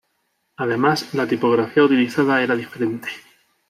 Además, la tipografía utilizada era diferente.